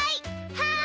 はい！